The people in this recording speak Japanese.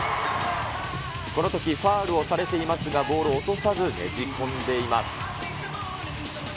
このとき、ファウルをされていますが、ボールを落とさず、ねじ込んでいます。